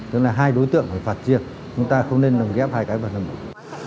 tức là hai đối tượng phải phạt riêng chúng ta không nên làm ghép hai cái vào lần một